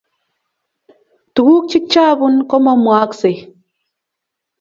Tuguk chikchabun komamwaaksei